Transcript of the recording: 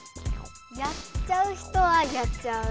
やっちゃう人はやっちゃう。